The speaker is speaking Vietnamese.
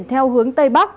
theo hướng tây bắc